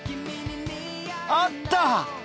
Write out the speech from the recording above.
あった！